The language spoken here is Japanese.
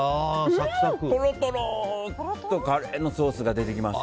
トロトロっとカレーのソースが出てきます。